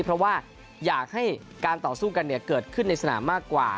เพราะว่าอยากให้การต่อสู้กันเกิดขึ้นในสนามมากกว่า